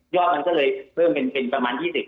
มันก็เลยเพิ่มเป็นประมาณ๒๐